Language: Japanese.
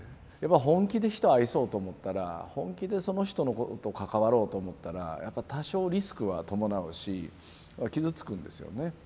本気で人を愛そうと思ったら本気でその人と関わろうと思ったらやっぱり多少リスクは伴うし傷つくんですよね。